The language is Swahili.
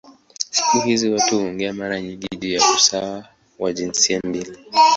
Siku hizi watu huongea mara nyingi juu ya usawa wa jinsia mbili.